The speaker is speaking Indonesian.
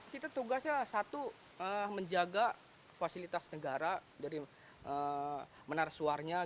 kita tugasnya satu menjaga fasilitas negara dari menara suarnya